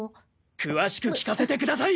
詳しく聞かせて下さい！